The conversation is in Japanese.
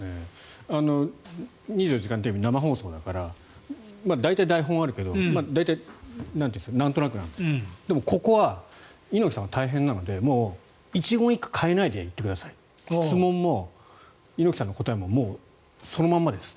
「２４時間テレビ」生放送だから大体台本あるけど大体なんとなくなんですけどでも、ここは猪木さんは大変なのでもう一言一句変えないで行ってください質問も猪木さんの答えももうそのままです